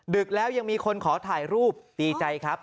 ดึกแล้วยังมีคนขอถ่ายรูปดีใจครับ